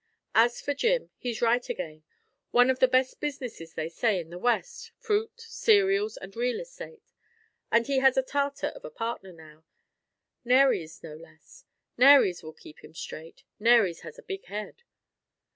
As for Jim, he's right again: one of the best businesses, they say, in the West, fruit, cereals, and real estate; and he has a Tartar of a partner now Nares, no less. Nares will keep him straight, Nares has a big head.